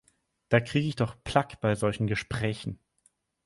Da kriege ich doch Plaque bei solchen "Gesprächen".